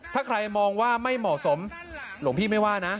ถ้าใครมองว่าไม่เหมาะสมหลวงพี่ไม่ว่านะ